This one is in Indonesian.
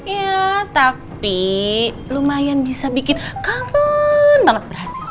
ya tapi lumayan bisa bikin kangen banget berhasil